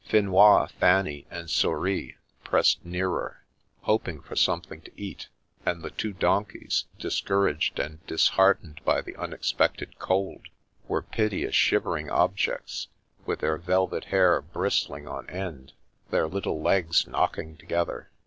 Finois, Fanny, and Souris pressed nearer, hoping for some thing to eat, and the two donkeys, discouraged and disheartened by the unexpected cold, were piteous, shivering objects, with their velvet hair bristling on end, their little legs knocking together.